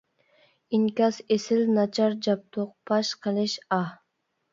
ئىنكاس ئېسىل ناچار جابدۇق پاش قىلىش ئاھ!